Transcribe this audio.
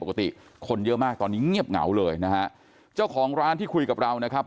คนเยอะมากตอนนี้เงียบเหงาเลยนะฮะเจ้าของร้านที่คุยกับเรานะครับ